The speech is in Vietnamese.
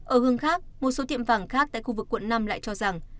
ở hương khác một số tiệm vàng khác tại khu vực quận năm lại cho rằng